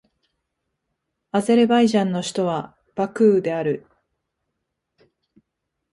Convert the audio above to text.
アゼルバイジャンの首都はバクーである